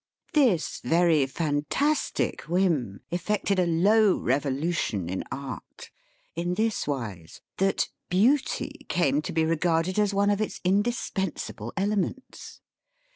This very fantastic whim effected a low revolution in Art, in this wise, that Beauty came to be regarded as one of its indis pensable elements.